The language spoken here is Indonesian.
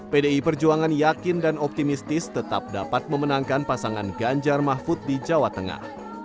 pdi perjuangan yakin dan optimistis tetap dapat memenangkan pasangan ganjar mahfud di jawa tengah